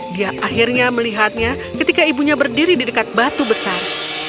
dia akhirnya melihatnya ketika ibunya berdiri di dekat batu besar